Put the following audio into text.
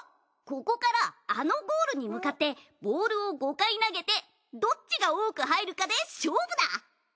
ここからあのゴールに向かってボールを５回投げてどっちが多く入るかで勝負だ。